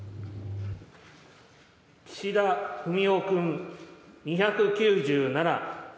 岸田文雄君２９７。